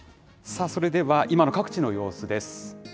さあ、それでは今の各地の様子です。